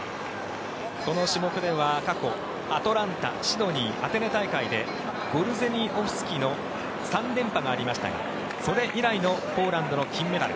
この種目では過去アトランタ、シドーにアテネ大会で３連覇がありましたがそれ以来のポーランドの金メダル。